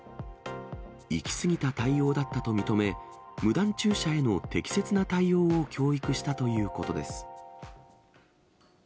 行き過ぎた対応だったと認め、無断駐車への適切な対応を教育したということです。